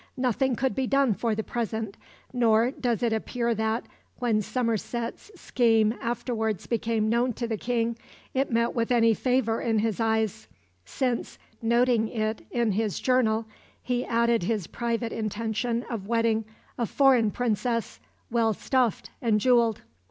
Nothing could be done for the present, nor does it appear that, when Somerset's scheme afterwards became known to the King, it met with any favour in his eyes; since, noting it in his journal, he added his private intention of wedding "a foreign princess, well stuffed and jewelled."